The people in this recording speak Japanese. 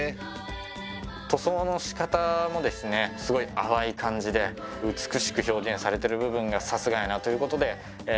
塗装のしかたもですねすごい淡い感じで美しく表現されてる部分がさすがやなということでひかれました。